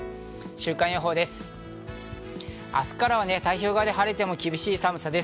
週間予報です。